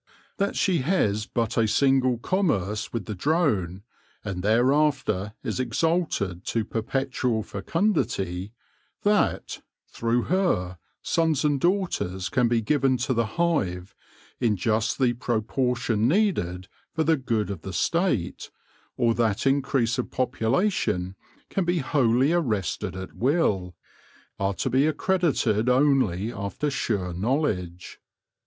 That she has but a single commerce with the drone, and thereafter is exalted to perpetual fecundity ; that, through her, sons and daughters can be given to the hive in just the proportion needed for the good of the State, or that increase of population can be wholly arrested at will, are to be accredited only after sure knowledge.